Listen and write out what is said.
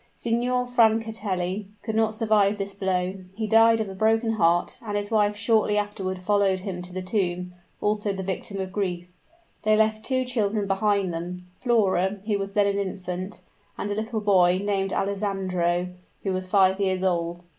Signor Francatelli could not survive this blow: he died of a broken heart; and his wife shortly afterward followed him to the tomb also the victim of grief. They left two children behind them: Flora, who was then an infant, and a little boy, named Alessandro, who was five years old.